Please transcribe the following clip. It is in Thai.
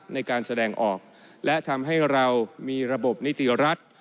ในการแสดงออกและทำให้เรามีระบบนิติรัฐ